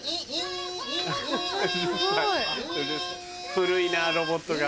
古いなロボットが。